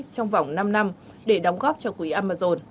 trong vòng năm năm để đóng góp cho quỹ amazon